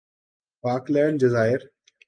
Falkland جزائر